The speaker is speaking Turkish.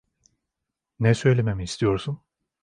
Ne söylememi istiyorsun?